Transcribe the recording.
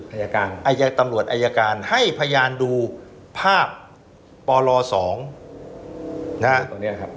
ไอยการไอยตำรวจไอยการให้พยานดูภาพปลสองนะฮะตัวเนี้ยครับ